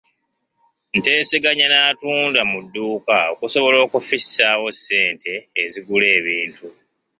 Nteeseganya n'atunda mu dduuka okusobola okufissaawo ku ssente ezigula ebintu.